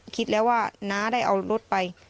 คิดแล้วว่าน้าได้เอารถไป